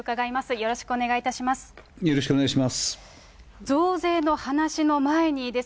よろしくお願いします。